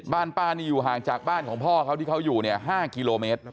บ้านป้านี่อยู่ห่างจากบ้านของพ่อเขาที่เขาอยู่เนี่ย๕กิโลเมตร